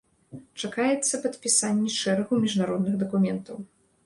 Чакаецца падпісанне шэрагу міжнародных дакументаў.